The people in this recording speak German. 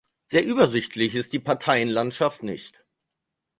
Sehr übersichtlich ist die Parteienlandschaft nicht.